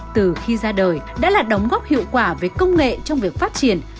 từ khi ra đời đã là đóng góp hiệu quả về công nghệ trong việc phát triển